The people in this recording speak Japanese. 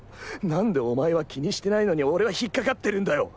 何でお前は気にしてないのに俺は引っかかってるんだよ？